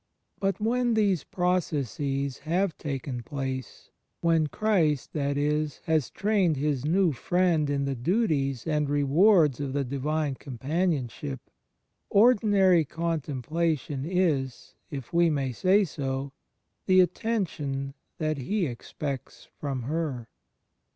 But 40 THE FRIENDSHIP OF CHRIST when these processes have taken place, when Christ, that is, has trained His new friend in the duties and rewards of the Divine Companionship, Ordinary Con templation is, if we may say so, the attention that He expects from her.